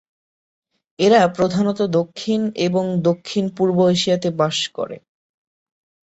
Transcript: এরা প্রধানত দক্ষিণ এবং দক্ষিণ-পূর্ব এশিয়াতে বসবাস করে।